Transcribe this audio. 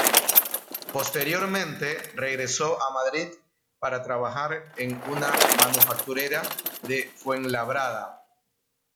Posteriormente, regresó a Madrid para trabajar en una manufacturera de Fuenlabrada.